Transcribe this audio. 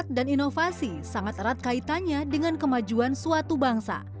masyarakat dan inovasi sangat erat kaitannya dengan kemajuan suatu bangsa